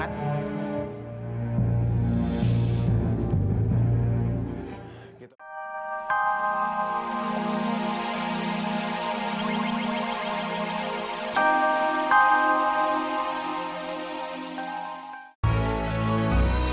yang kini yang ingin menemuk undang terhidupi luncai light shirt dan jengkau tg timu